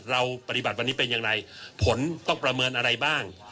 เราปฏิบัติวันนี้เป็นอย่างไรผลต้องประเมินอะไรบ้าง